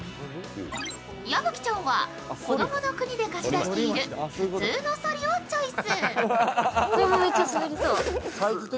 矢吹ちゃんはこどもの国で貸し出している普通のソリをチョイス。